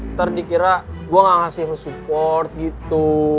ntar dikira gue ga ngasih lo support gitu